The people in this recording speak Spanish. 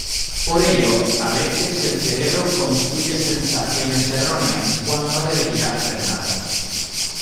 Por ello, a veces el cerebro construye sensaciones erróneas cuando no debería hacer nada.